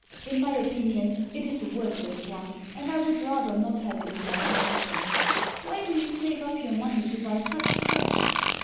In my opinion it is a worthless one, and I would rather not have it in my possession. Why do you save up your money to buy such trash?